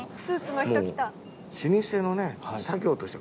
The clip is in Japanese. もう老舗のね作業としては。